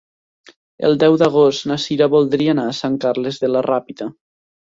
El deu d'agost na Sira voldria anar a Sant Carles de la Ràpita.